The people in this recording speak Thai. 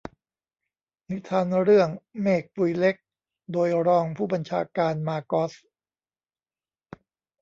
นิทานเรื่อง "เมฆปุยเล็ก" โดยรองผู้บัญชาการมาร์กอส